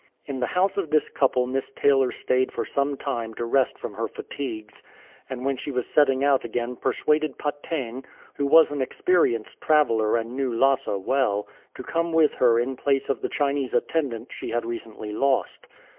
In the house of this couple Miss Taylor stayed for some time to rest from her fatigues, and when she was setting out again persuaded Pa tegn, who was an experienced traveller and knew Lhasa well, to come with her in place of the Chinese attendant she had recently lost.